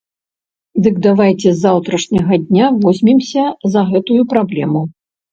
Дык давайце з заўтрашняга дня возьмемся за гэтую праблему!